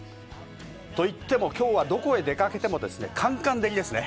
といってもきょうはどこへ出かけてもですね、カンカン照りですね。